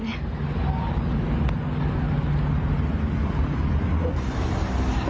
อุ้ยมันจะผลัก